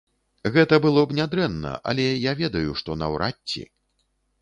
Гэта было б нядрэнна, але я ведаю, што наўрад ці!